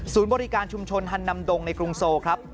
ศูนย์บริการชุมชนฮันนำดงในกรุงโซ